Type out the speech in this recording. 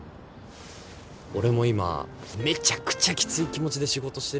俺も今めちゃくちゃきつい気持ちで仕事してるよ。